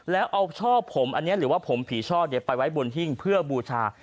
แล้วเอาชอบผมหรือว่าผมผีช่อไปไว้บนทิ่งเพื่อบูชา